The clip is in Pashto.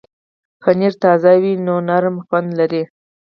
پنېر تازه وي نو نرم خوند لري.